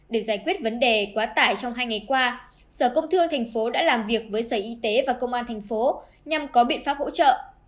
để giải quyết vấn đề quá tải trong hai ngày qua sở công thương thành phố đã làm việc với sở y tế và công an thành phố nhằm có biện pháp hỗ trợ